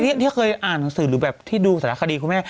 ที่เคยอ่านหนังสือหรือแบบที่ดูสารคดีคุณแม่